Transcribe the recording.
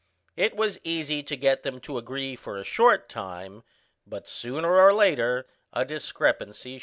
It was easy to get them to agree for a short time, but sooner or later a discrepancy showed itself.